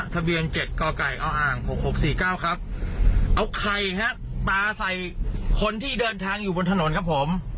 ทะเบียงเจ็ดก่อไก่เอาอ่างหกหกสี่เก้าครับเอาไข่ฮะปลาใส่คนที่เดินทางอยู่บนถนนครับผม